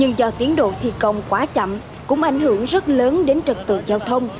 nhưng do tiến độ thi công quá chậm cũng ảnh hưởng rất lớn đến trật tượng giao thông